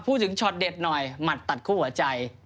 พูดถึงชอตเด็ดหน่อยหมัดตัดคู่หัวใจ